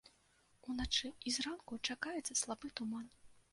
Уначы і зранку чакаецца слабы туман.